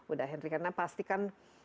uda hendri karena pastikan